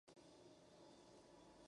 Donde las dan, las toman